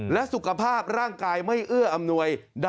และสุขภาพร่างกายไม่เอื้ออำนวย